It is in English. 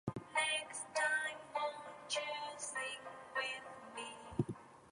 The band followed up with the album "Horizonte Distant".